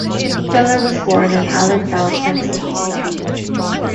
Keller was born in Allentown, Pennsylvania.